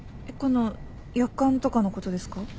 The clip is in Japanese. このやかんとかのことですか？